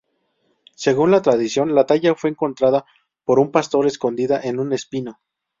Según la tradición la talla fue encontrada por un pastor escondida en un espino.